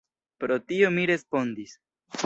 Pro tio mi respondis.